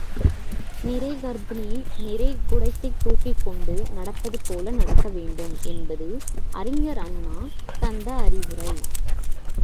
நிறை கர்ப்பிணி நிறை குடத்தைத் தூக்கிக்கொண்டு நடப்பது போல நடக்க வேண்டும் என்பது அறிஞர் அண்ணா தந்த அறிவுரை.